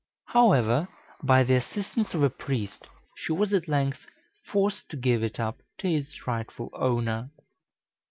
However, by the assistance of a priest, she was at length forced to give it up to its rightful owner.